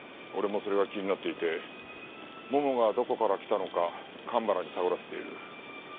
俺もそれが気になっていてももがどこから来たのか蒲原に探らせている。